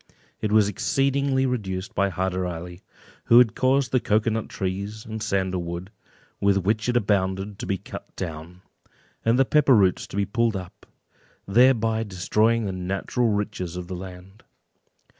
It was exceedingly reduced by Hyder Ali, who caused the cocoa nut trees and sandal wood with which it abounded to be cut down, and the pepper roots to be pulled up, thereby destroying the natural riches of the land.